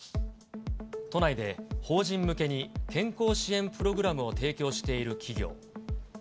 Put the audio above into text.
都内で法人向けに健康支援プログラムを提供している企業。